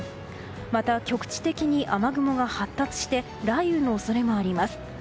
また、局地的に雨雲が発達して雷雨の恐れもあります。